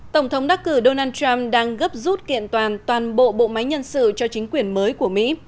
tổng thống đắc cử donald trump đang gấp rút kiện toàn toàn bộ bộ máy nhân sự cho chính quyền mới của mỹ